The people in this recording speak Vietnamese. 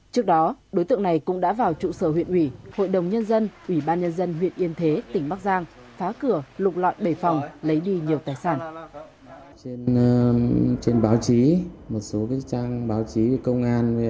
trước đó đối tượng này cũng đã vào trụ sở huyện ủy hội đồng nhân dân ủy ban nhân dân huyện yên thế tỉnh bắc giang phá cửa lục lọi bể phòng lấy đi nhiều tài sản